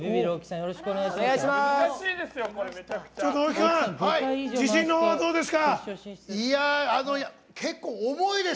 よろしくお願いします。